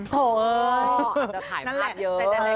โถ่เอ้ยถ่ายมากเยอะ